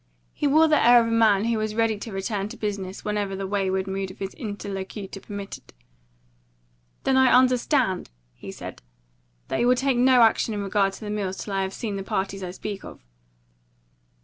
He wore the air of a man who was ready to return to business whenever the wayward mood of his interlocutor permitted. "Then I understand," he said, "that you will take no action in regard to the mills till I have seen the parties I speak of."